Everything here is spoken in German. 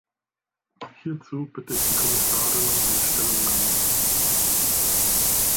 Hierzu bitte ich die Kommissarin um eine Stellungnahme.